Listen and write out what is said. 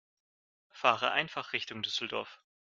Fahre einfach Richtung Düsseldorf